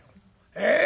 ええ？